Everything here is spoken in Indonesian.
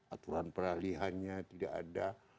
aturan peralihannya tidak ada